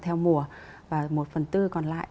theo mùa và một phần tư còn lại